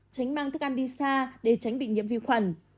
tránh mang thức ăn đi xa để tránh bị nhiễm vi khuẩn